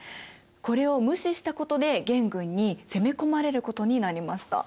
これを無視したことで元軍に攻め込まれることになりました。